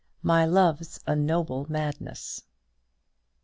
"MY LOVE'S A NOBLE MADNESS."